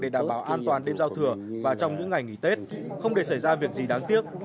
để đảm bảo an toàn đêm giao thừa và trong những ngày nghỉ tết không để xảy ra việc gì đáng tiếc